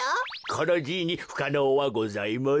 このじいにふかのうはございません。